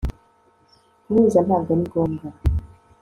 guhuza ntabwo ari ngombwa